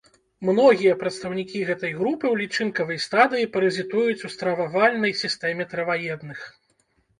Многія прадстаўнікі гэтай групы ў лічынкавай стадыі паразітуюць у стрававальнай сістэме траваедных.